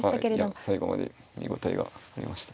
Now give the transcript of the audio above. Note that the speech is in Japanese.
いや最後まで見応えがありました。